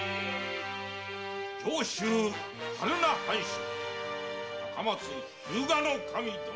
上州榛名藩主赤松日向守殿。